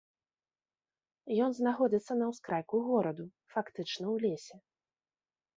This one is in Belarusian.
Ён знаходзіцца на ўскрайку гораду, фактычна ў лесе.